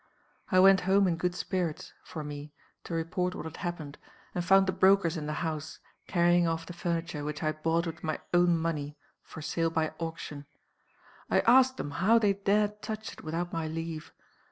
I went home in good spirits (for me) to report what had happened, and found the brokers in the house carrying off the furniture which I had bought with my own money for sale by auction. I asked them how they dared touch it without my leave.